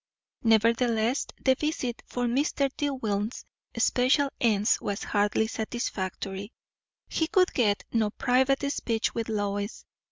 Nevertheless the visit, for Mr. Dillwyn's special ends, was hardly satisfactory. He could get no private speech with Lois.